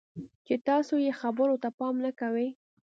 چې تاسې یې خبرو ته پام نه کوئ.